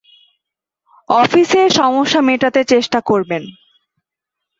অফিসের সমস্যা মেটাতে চেষ্টা করবেন।